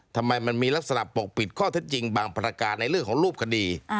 ทำไมมันมีลักษณะปกปิดข้อเท็จจริงบางประการในเรื่องของรูปคดี